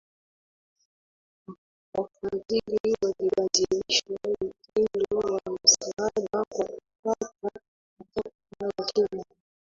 Wafadhili walibadilisha mtindo wa misaada kwa kufuata matakwa ya nchi